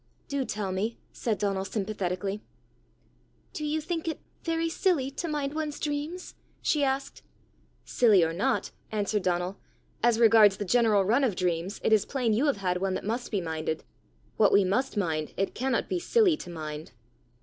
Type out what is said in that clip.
"Do tell me," said Donal sympathetically. "Do you think it very silly to mind one's dreams?" she asked. "Silly or not," answered Donal, "as regards the general run of dreams, it is plain you have had one that must be minded. What we must mind, it cannot be silly to mind."